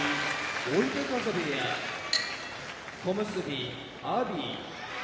追手風部屋小結・阿炎